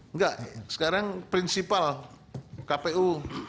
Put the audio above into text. enggak sekarang prinsipal kpu